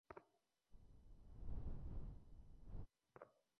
অবাধে এসব কিছু চললেও প্রশাসনের পক্ষ থেকে কোনো ব্যবস্থা এখনো নেওয়া হয়নি।